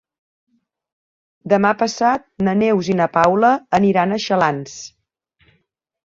Demà passat na Neus i na Paula aniran a Xalans.